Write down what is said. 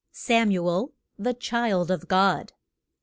SAMUEL, THE CHILD OF GOD.